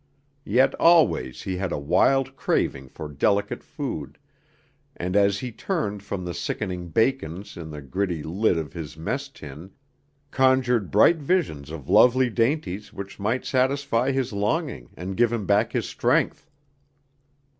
Yet always he had a wild craving for delicate food, and as he turned from the sickening bacon in the gritty lid of his mess tin, conjured bright visions of lovely dainties which might satisfy his longing and give him back his strength.